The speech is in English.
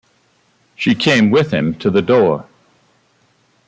She came with him to the door.